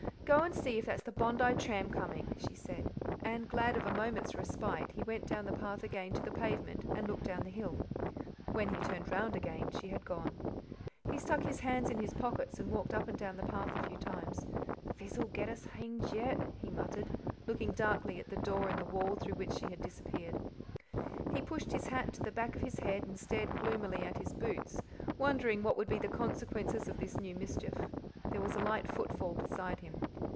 "Go and see if that's the Bondi tram coming," she said; and glad of a moment's respite, he went down the path again to the pavement and looked down the hill. When he turned round again she had gone. He stuck his hands in his pockets and walked up and down the path a few times. "Fizz'll get us hanged yet," he muttered, looking darkly at the door in the wall through which she had disappeared. He pushed his hat to the back of hiss head and stared gloomily at his boots, wondering what would be the consequences of this new mischief. There was a light footfall beside him.